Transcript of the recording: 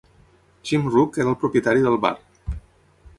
Jim Rook era el propietari del bar.